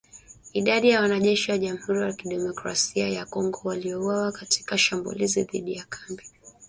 Idadi ya wanajeshi wa Jamhuri ya kidemokrasia ya Kongo waliouawa katika shambulizi dhidi ya kambi zao haijajulikana.